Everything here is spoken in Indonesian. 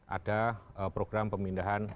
ada program pemindahan